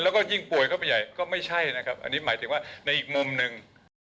แล้วก็ยิ่งป่วยเข้าไปใหญ่ก็ไม่ใช่นะครับอันนี้หมายถึงว่าในอีกมุมหนึ่ง